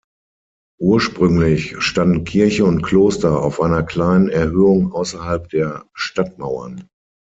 Ursprünglich standen Kirche und Kloster auf einer kleinen Erhöhung außerhalb der Stadtmauern.